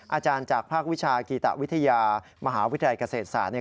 อาจารย์จากภาควิชากีตวิทยามหาวิทยาลัยเกษตรศาสตร์เนี่ย